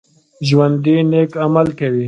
ژوندي نیک عمل کوي